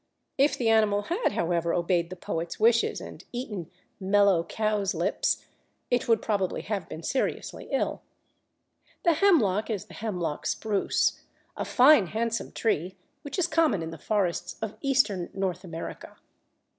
(If the animal had, however, obeyed the poet's wishes and eaten "mellow cowslips," it would probably have been seriously ill.) The "Hemlock" is the Hemlock spruce, a fine handsome tree which is common in the forests of Eastern North America.